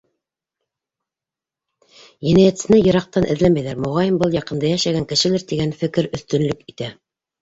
Енәйәтсене йыраҡтан эҙләмәйҙәр: моғайын, был яҡында йәшәгән кешелер тигән фекер өҫтөнлөк итә.